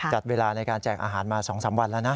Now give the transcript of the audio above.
จัดเวลาในการแจกอาหารมา๒๓วันแล้วนะ